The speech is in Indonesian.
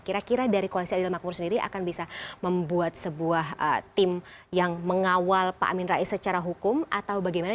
kira kira dari koalisi adil makmur sendiri akan bisa membuat sebuah tim yang mengawal pak amin rais secara hukum atau bagaimana